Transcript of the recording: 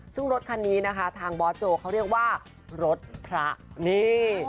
ซึ่งรถคันนี้นะคะทางบอสโจเขาเรียกว่ารถพระนี่